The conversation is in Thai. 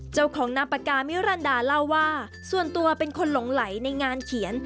เจ้าของนามปากกามิรันดาเล่าว่าส่วนตัวเป็นคนหลงไหลในงานเขียน